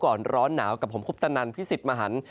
ก่อนร้อนหนาวกับผมครุปตนพิศิภมหัน